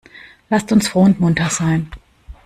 Lasst uns froh und munter sein!